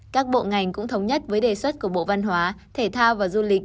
các bộ ngành cũng thống nhất với đề xuất của bộ văn hóa thể thao và du lịch